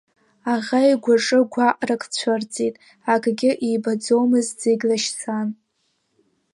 Аӷа игәаҿы гәаҟрак цәырҵит, акгьы ибаӡомызт зегь лашьцан.